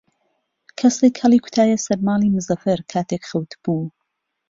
کەسێک هەڵی کوتایە سەر ماڵی مزەفەر کاتێک خەوتبوو.